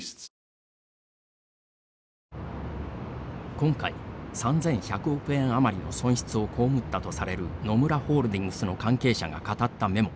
今回、３１００億円余りの損失を被ったとされる野村ホールディングスの関係者が語ったメモ。